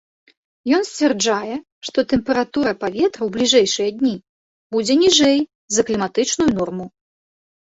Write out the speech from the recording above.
Ён сцвярджае, што тэмпература паветра ў бліжэйшыя дні будзе ніжэй за кліматычную норму.